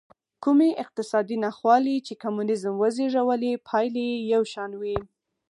کومې اقتصادي ناخوالې چې کمونېزم وزېږولې پایلې یې یو شان وې.